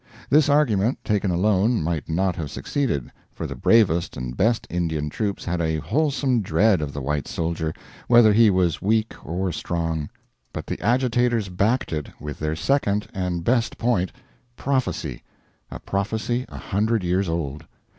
This argument, taken alone, might not have succeeded, for the bravest and best Indian troops had a wholesome dread of the white soldier, whether he was weak or strong; but the agitators backed it with their second and best point prophecy a prophecy a hundred years old.